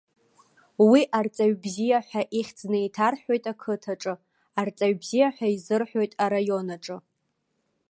Уи арҵаҩ бзиа ҳәа ихьӡ неиҭарҳәоит ақыҭаҿы, арҵаҩ бзиа ҳәа изырҳәоит араион аҿы.